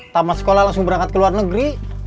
tamat sekolah langsung berangkat ke luar negeri